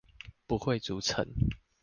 不會築城